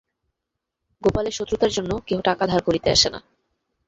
গোপালের শক্রতার জন্য কেহ টাকা ধার করিতে আসে না।